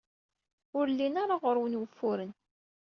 Ur llin ara ɣer-wen wufuren.